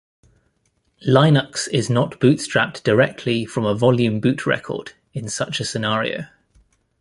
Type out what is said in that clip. Linux is not bootstrapped directly from a Volume Boot Record in such a scenario.